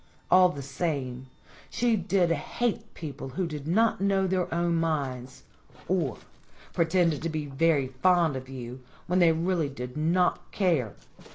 All the same, she did hate people who did not know their own minds, or pretended to be very fond of you when they really did not care.